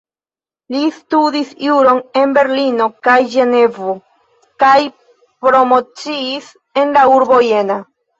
Li studis juron en Berlino kaj Ĝenevo kaj promociis en la urbo Jena.